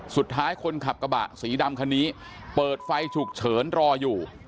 คนขับกระบะสีดำคันนี้เปิดไฟฉุกเฉินรออยู่